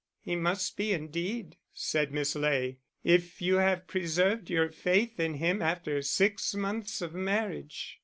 "He must be, indeed," said Miss Ley, "if you have preserved your faith in him after six months of marriage."